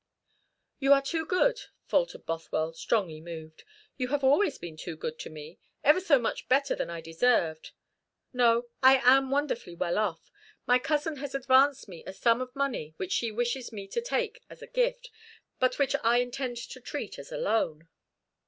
"You are too good," faltered Bothwell, strongly moved. "You have always been too good to me ever so much better than I deserved. No, I am wonderfully well off. My cousin has advanced me a sum of money which she wishes me to take as a gift, but which I intend to treat as a loan."